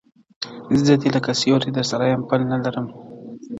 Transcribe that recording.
زه دي لکه سیوری درسره یمه پل نه لرم٫